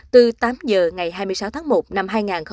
từ tám giờ ngày hai mươi sáu tháng một năm hai nghìn hai mươi